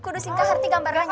kudusing keharti gambarannya